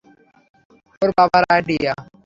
ওর বাবার আইডিয়া।